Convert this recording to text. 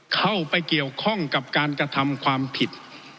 เข้าไปเกี่ยวข้องกับการกระทำความผิด